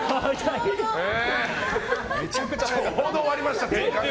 ちょうど終わりました、転換が。